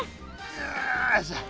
よいしょ！